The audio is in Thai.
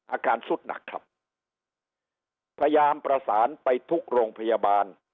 อาการสุดหนักครับพยายามประสานไปทุกโรงพยาบาล